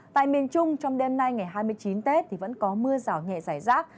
tại miền trung trong đêm nay ngày hai mươi chín tết thì vẫn có mưa rào nhẹ giải rác